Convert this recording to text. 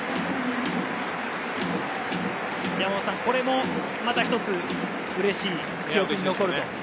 これもまた一つうれしい、記録に残ると。